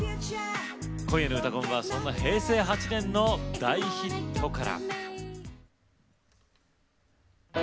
今夜の「うたコン」はそんな平成８年の大ヒットから。